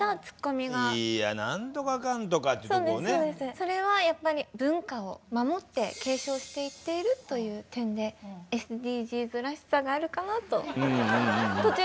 それはやっぱり文化を守って継承していっているという点でＳＤＧｓらしさがあるかなと。